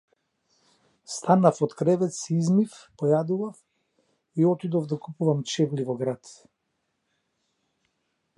Станав од кревет, се измив, појадував и отидов да купувам чевли во град.